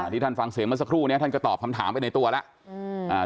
ที่ท่านฟังเสียงเมื่อสักครู่นี้ท่านก็ตอบคำถามไปในตัวแล้ว